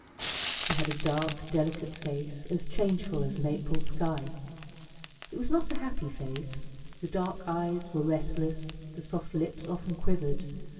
She had a dark, delicate face, as changeful as an April sky. It was not a happy face; the dark eyes were restless, the soft lips often quivered.